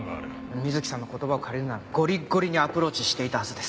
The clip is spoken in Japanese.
水木さんの言葉を借りるならゴリッゴリにアプローチしていたはずです。